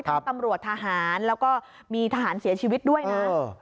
ตำรวจทหารแล้วก็มีทหารเสียชีวิตด้วยนะ